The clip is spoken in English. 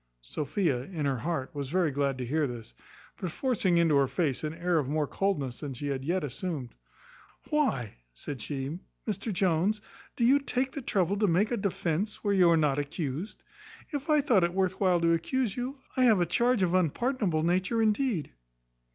Sophia, in her heart, was very glad to hear this; but forcing into her face an air of more coldness than she had yet assumed, "Why," said she, "Mr Jones, do you take the trouble to make a defence where you are not accused? If I thought it worth while to accuse you, I have a charge of unpardonable nature indeed."